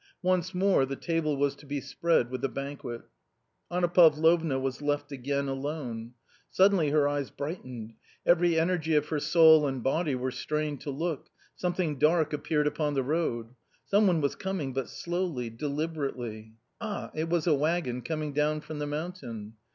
Once more the table was to be spread with a banquet. Anna Pavlovna was left again alone. Suddenly her eyes brightened ; every energy of her soul and body were strained to look ; something dark appeared upon the road. Some one was coming, but slowly, deliberately. Ah ! it was a waggon coming down from the mountain.